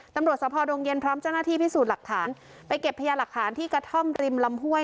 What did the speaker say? สะพอดงเย็นพร้อมเจ้าหน้าที่พิสูจน์หลักฐานไปเก็บพยาหลักฐานที่กระท่อมริมลำห้วย